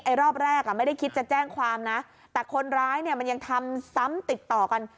รอบแรกอ่ะไม่ได้คิดจะแจ้งความนะแต่คนร้ายเนี่ยมันยังทำซ้ำติดต่อกัน